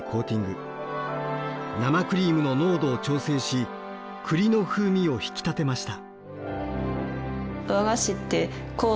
生クリームの濃度を調整し栗の風味を引き立てました。